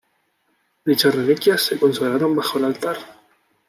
Dichas reliquias se consagraron bajo el altar.